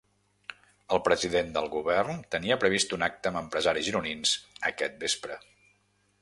El president del govern tenia previst un acte amb empresaris gironins aquest vespre.